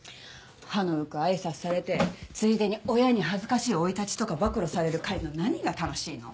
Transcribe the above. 歯の浮く挨拶されてついでに親に恥ずかしい生い立ちとか暴露される会の何が楽しいの？